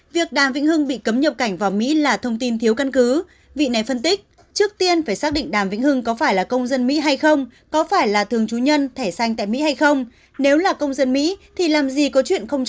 việc đàm vĩnh hưng bị cấm nhập cảnh vào mỹ là thông tin thiếu căn cứ